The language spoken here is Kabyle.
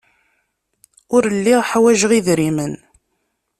Ur lliɣ ḥwajeɣ idrimen.